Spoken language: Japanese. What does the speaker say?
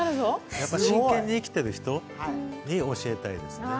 やっぱり真剣に生きている人に教えたいですね。